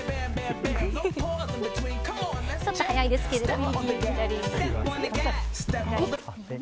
ちょっと速いですけれども。